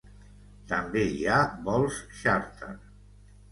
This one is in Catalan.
També hi ha vols xàrter.